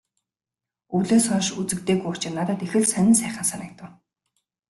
Өвлөөс хойш үзэгдээгүй учир надад их л сонин сайхан санагдав.